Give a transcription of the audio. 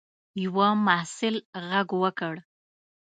یوه محصل غږ وکړ.